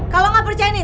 kalau gak percaya nih